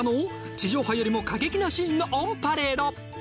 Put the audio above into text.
地上波よりも過激なシーンのオンパレード。